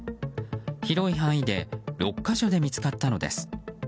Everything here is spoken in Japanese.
広い範囲で６か所で見つかったのです。